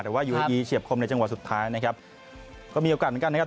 แต่ว่ายูเออีเฉียบคมในจังหวะสุดท้ายนะครับก็มีโอกาสเหมือนกันนะครับ